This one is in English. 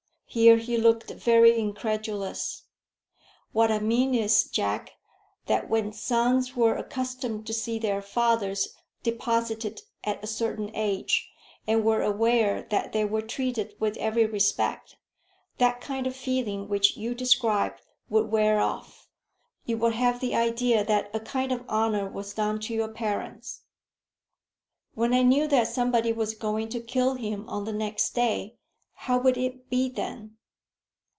Here he looked very incredulous. "What I mean is, Jack, that when sons were accustomed to see their fathers deposited at a certain age, and were aware that they were treated with every respect, that kind of feeling which you describe would wear off. You would have the idea that a kind of honour was done to your parents." "When I knew that somebody was going to kill him on the next day, how would it be then?"